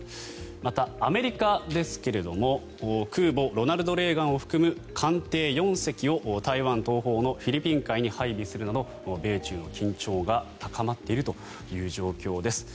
またアメリカですけれど空母「ロナルド・レーガン」を含む艦艇４隻を台湾東方のフィリピン海に配備するなど米中の緊張が高まっているという状況です。